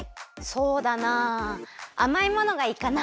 そうだなあまいものがいいかな。